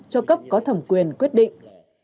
cho cấp có thẩm quyền quyết định